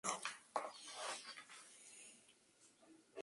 Eckstein era un favorito de los fanáticos en St.